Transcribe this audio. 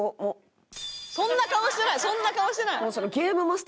そんな顔してないそんな顔してない！